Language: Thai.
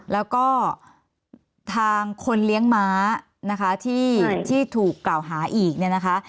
แล้วก็ทางคนเลี้ยงม้านะคะที่ถูกกล่าวหาอีกเนี่ยนะคะ